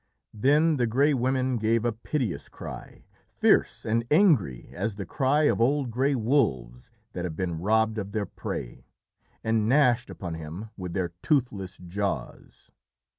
Then the Grey Women gave a piteous cry, fierce and angry as the cry of old grey wolves that have been robbed of their prey, and gnashed upon him with their toothless jaws.